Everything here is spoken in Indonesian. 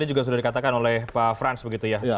tadi juga sudah dikatakan oleh pak frans begitu ya